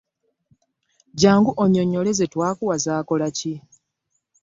Jangu onnyonnyole ze twakuwa zaakola ki?